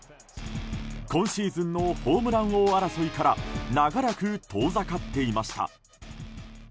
今シーズンのホームラン王争いから長らく遠ざかっていました。